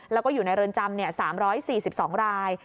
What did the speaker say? แล้วก็อยู่ในเรือนจำ๓๔๒ราย